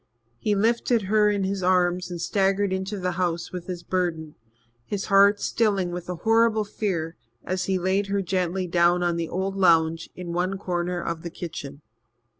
He lifted her in his arms and staggered into the house with his burden, his heart stilling with a horrible fear as he laid her gently down on the old lounge in one corner of the kitchen.